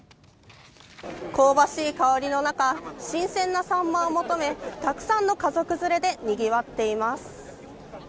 香ばしい香りの中新鮮なサンマを求めたくさんの家族連れでにぎわっています。